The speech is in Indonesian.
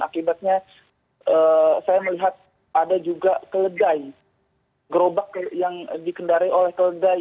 akibatnya saya melihat ada juga keledai gerobak yang dikendari oleh keledai